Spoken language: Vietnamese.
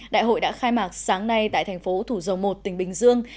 đại hội đã khai mạc sáng nay tại thành phố thủ dầu một tỉnh bình dương